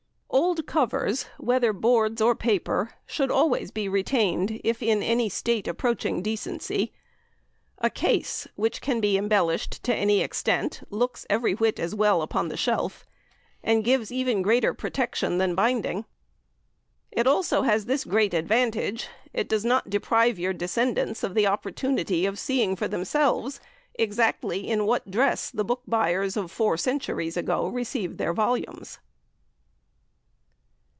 Old covers, whether boards or paper, should always be retained if in any state approaching decency. A case, which can be embellished to any extent looks every whit as well upon the shelf! and gives even greater protection than binding. It has also this great advantage: it does not deprive your descendants of the opportunity of seeing for themselves exactly in what dress the book buyers of four centuries ago received their volumes.